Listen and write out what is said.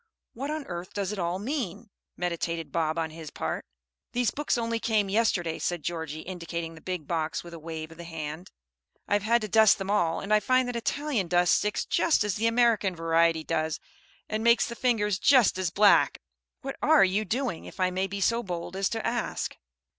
"What on earth does it all mean?" meditated Bob on his part. "These books only came yesterday," said Georgie, indicating the big box with a wave of the hand. "I have had to dust them all; and I find that Italian dust sticks just as the American variety does, and makes the fingers just as black." A little laugh. "What are you doing, if I may be so bold as to ask?"